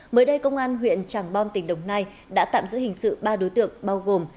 mới đây công an huyện tràng bom tỉnh đồng nai đã tạm giữ hình sự ba đối tượng bao gồm